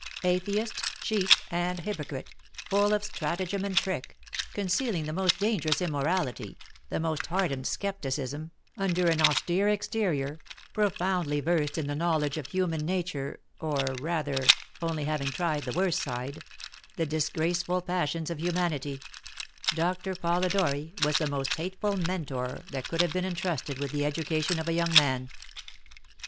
Atheist, cheat, and hypocrite, full of stratagem and trick, concealing the most dangerous immorality, the most hardened scepticism, under an austere exterior, profoundly versed in the knowledge of human nature, or, rather, only having tried the worst side, the disgraceful passions of humanity, Doctor Polidori was the most hateful Mentor that could have been entrusted with the education of a young man.